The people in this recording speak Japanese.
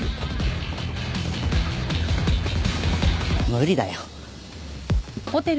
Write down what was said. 無理だよ。